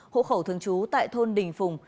hộ khẩu thường trú tại thôn đình phùng